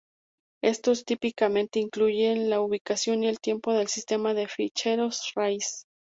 Estos típicamente incluyen la ubicación y el tipo del sistema de ficheros raíz.